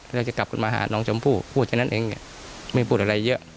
แล้วจะกลับขึ้นมาหาน้องชมพู่พูดฉะนั้นเองไม่พูดอะไรเยอะ